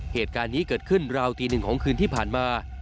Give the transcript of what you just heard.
เหตุการณ์นี้เกิดขึ้นราวตีหนึ่งของคืนที่ผ่านมา